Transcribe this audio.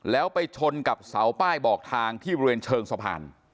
แล้วไปชนกับเสาป้ายบอกทางที่บริเวณเชิงสะพาน